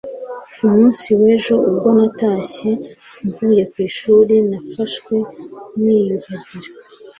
ku munsi w'ejo, ubwo natashye mvuye ku ishuri, narafashwe niyuhagira